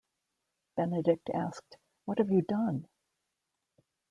Benedict asked, What have you done?